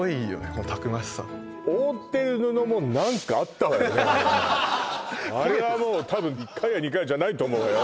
このたくましさあれはもう多分１回や２回じゃないと思うわよ